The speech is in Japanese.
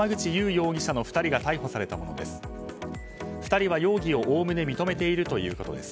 容疑者の２人が逮捕されたものです。